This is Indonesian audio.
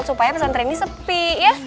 supaya pesantren ini sepi ya